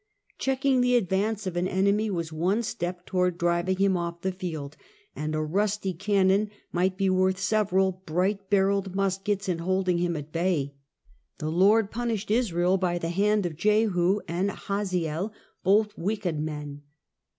Checking the advance of an enemy was one step toward driving him off the field, and a rusty cannon miffht be worth several briojht barreled muskets in holding him at bay. The Lord punished Israel by the hand of Jehu and Hazael, both wicked men.